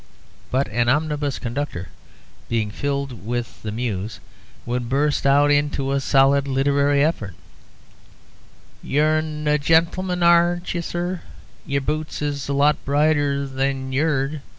But an omnibus conductor (being filled with the Muse) would burst out into a solid literary effort: 'You're a gen'leman, aren't yer ... yer boots is a lot brighter than yer 'ed...